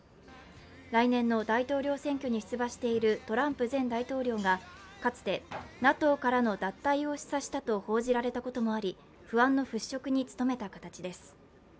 来年の大統領選挙に出馬しているトランプ前大統領がかつてＮＡＴＯからの脱退を示唆したと報じられたこともあり不安の払拭に努めた形です。